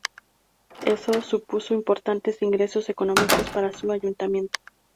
Eso supuso importantes ingresos económicos para su Ayuntamiento.